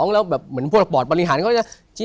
แล้วแบบเหมือนพวกปอดบริหารเขาจะ